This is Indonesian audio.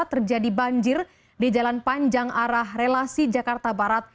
terjadi banjir di jalan panjang arah relasi jakarta barat